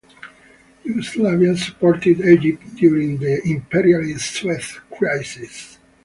Yugoslavia supported Egypt during the Suez Crisis.